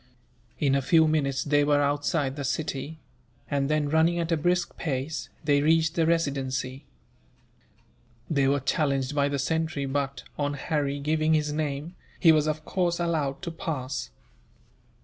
In a few minutes they were outside the city; and then, running at a brisk pace, they reached the Residency. They were challenged by the sentry but, on Harry giving his name, he was of course allowed to pass.